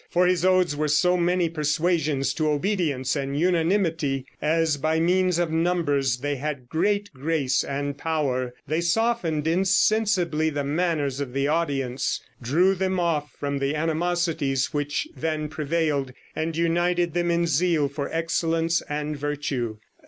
For his odes were so many persuasions to obedience and unanimity, and as by means of numbers they had great grace and power, they softened insensibly the manners of the audience, drew them off from the animosities which then prevailed, and united them in zeal for excellence and virtue."